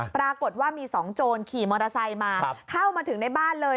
ปรากฏว่ามีสองโจรขี่มอเตอร์ไซค์มาเข้ามาถึงในบ้านเลย